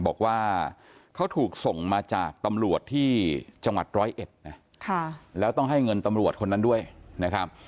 บอกว่าเขาถูกส่งมาจากตำรวจที่จังหวัดร้อยเอ็ดนะแล้วต้องให้เงินตำรวจคนนั้นด้วยนะครับ